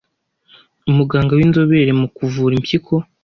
Umuganga w’inzobere mu kuvura impyiko